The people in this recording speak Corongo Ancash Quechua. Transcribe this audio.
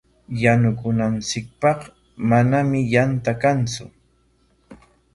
Yanukunanchikpaq manami yanta kantsu.